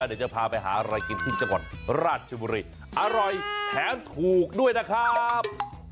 เดี๋ยวจะพาไปหาอะไรกินที่จังหวัดราชบุรีอร่อยแถมถูกด้วยนะครับ